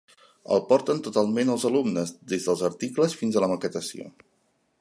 El porten totalment els alumnes, des dels articles fins a la maquetació.